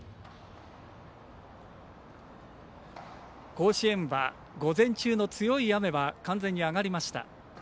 甲子園は午前中の強い雨は完全に上がりました。